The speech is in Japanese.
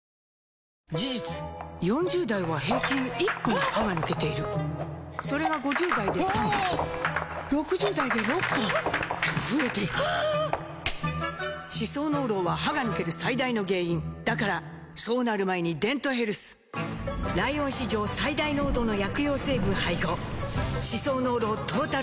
事実４０代は平均１本歯が抜けているそれが５０代で３本６０代で６本と増えていく歯槽膿漏は歯が抜ける最大の原因だからそうなる前に「デントヘルス」ライオン史上最大濃度の薬用成分配合歯槽膿漏トータルケア！